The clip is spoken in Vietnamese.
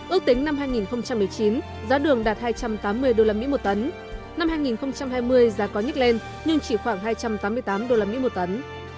ước tính năm hai nghìn một mươi chín giá đường đạt hai trăm tám mươi usd một tấn năm hai nghìn hai mươi giá có nhích lên nhưng chỉ khoảng hai trăm tám mươi tám usd một tấn